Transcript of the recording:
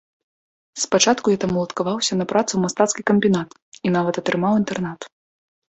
Спачатку я там уладкаваўся на працу ў мастацкі камбінат і нават атрымаў інтэрнат.